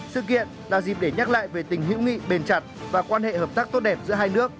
sự kiện là dịp để nhắc lại về tình hữu nghị bền chặt và quan hệ hợp tác tốt đẹp giữa hai nước